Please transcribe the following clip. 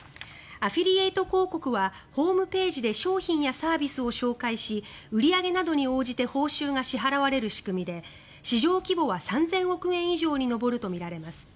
アフィリエイト広告はホームページで商品やサービスを紹介し売り上げなどに応じて報酬が支払われる仕組みで市場規模は３０００億円以上に上るとみられます。